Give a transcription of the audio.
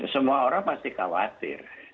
semua orang pasti khawatir